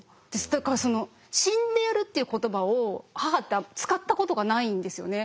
だから「死んでやる」っていう言葉を母って使ったことがないんですよね。